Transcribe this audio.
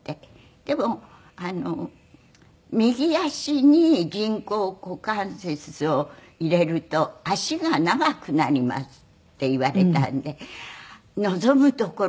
「でも右足に人工股関節を入れると足が長くなります」って言われたんで「望むところです」